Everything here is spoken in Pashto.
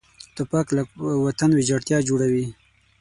توپک له وطن ویجاړتیا جوړوي.